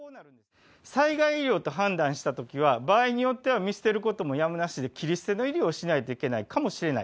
災害医療と判断したときは場合によっては見捨てることもやむなしで切り捨ての医療をしないといけないかもしれない。